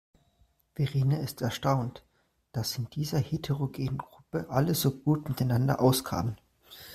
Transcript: Verena ist erstaunt, dass in dieser heterogenen Gruppe alle so gut miteinander auskamen.